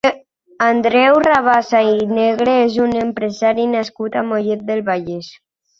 Andreu Rabasa i Negre és un empresari nascut a Mollet del Vallès.